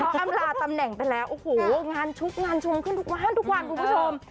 เพราะอัมราตำแหน่งไปแล้วงานชุดงานชงขึ้นทุกวันทุกวันคุณผู้ชม